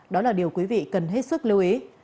đó là điều quý vị cần hết sức lưu ý